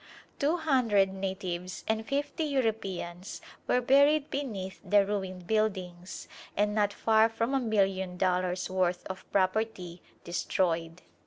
Two hundred natives and fifty Europeans were buried beneath the ruined buildings and not far from a million dollars' worth of property destroyed.